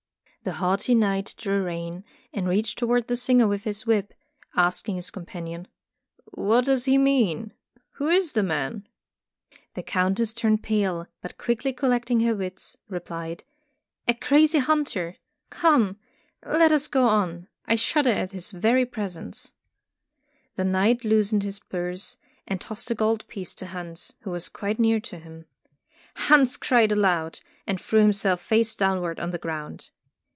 The haughty knight drew rein, and 144 Tales of Modern Germany reached toward the singer with his whip, asking his companion; ''What does he mean? Who is the man ?'' The Countess turned pale, but quickly collecting her wits, replied, ''A crazy hunter. Come, let us go on, I shudder at his very presence.'' The knight loosened his purse, and tossed a gold piece to Hans, who was quite near to him. Hans cried aloud, and threw himself face downward on the ground.